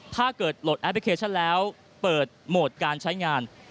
ถ้าเกิดโหลดแอปพลิเคชันแล้วเปิดโหมดการใช้งาน